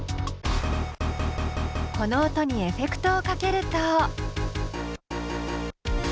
この音にエフェクトをかけると。